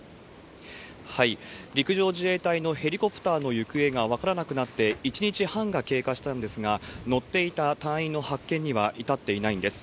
陸上自衛隊のヘリコプターの行方が分からなくなって１日半が経過したんですが、乗っていた隊員の発見には至っていないんです。